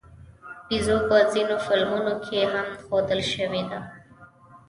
بیزو په ځینو فلمونو کې هم ښودل شوې ده.